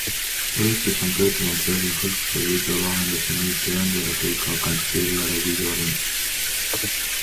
Eestis on töötanud välja hõlpsa videolahenduse nii tööandjale kui ka kandideerijale Videolind.